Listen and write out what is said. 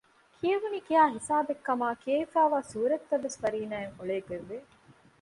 ކިޔެވުނީ ކިހާ ހިސާބެއްކަމާ ކިޔެވިފައިވާ ސޫރަތްތައްވެސް ފަރީނާއަށް އޮޅޭގޮތްވެ